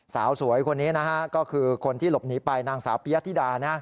สาวสวยคนนี้นะฮะก็คือคนที่หลบหนีไปนางสาวปียะธิดา